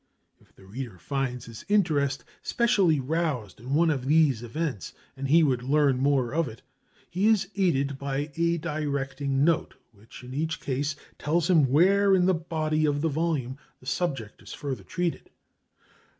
If the reader finds his interest specially roused in one of these events, and he would learn more of it, he is aided by a directing note, which, in each case, tells him where in the body of the volume the subject is further treated.